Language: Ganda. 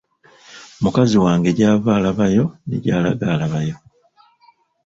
Mukazi wange gy’ava alabayo ne gy’alaga alabayo.